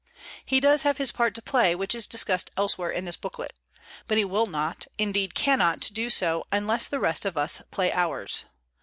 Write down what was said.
He does have his part to play, which is discussed elsewhere in this booklet. But he will not, indeed cannot, do so until the rest of us play ours.